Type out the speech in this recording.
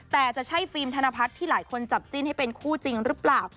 แต่จะใช่ฟิล์มธนพัฒน์ที่หลายคนจับจิ้นให้เป็นคู่จริงหรือเปล่า